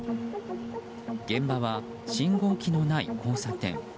現場は信号機のない交差点。